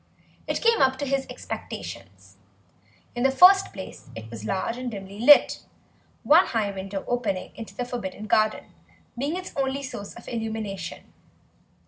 It came up to his expectations. In the first place it was large and dimly lit, one high window opening on to the forbidden garden being its only source of illumination.